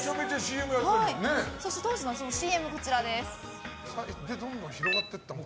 そして当時のＣＭがこちらです。